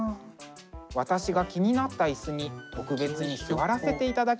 私が気になった椅子に特別に座らせていただきました。